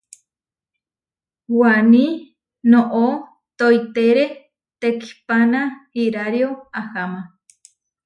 Waní noʼó toitére tekihpana irario aháma.